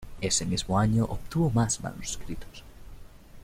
Ese mismo año obtuvo más manuscritos.